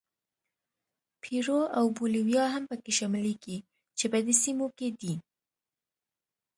پیرو او بولیویا هم پکې شاملېږي چې په دې سیمو کې دي.